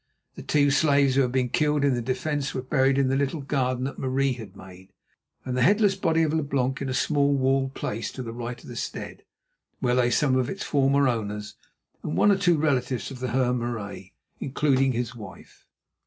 The two slaves who had been killed in the defence were buried in the little garden that Marie had made, and the headless body of Leblanc in a small walled place to the right of the stead, where lay some of its former owners and one or two relatives of the Heer Marais, including his wife.